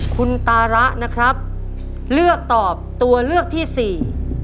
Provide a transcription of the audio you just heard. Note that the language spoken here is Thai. คุณตาระนะครับเลือกตอบตัวเลือกที่สี่